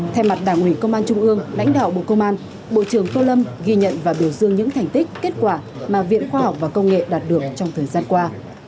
thay mặt đảng ủy công an trung ương lãnh đạo bộ công an bộ trưởng tô lâm ghi nhận và biểu dương những thành tích kết quả mà viện khoa học và công nghệ đạt được trong thời gian qua